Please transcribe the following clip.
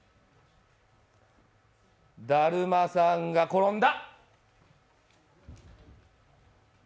だるまさんが転んだ。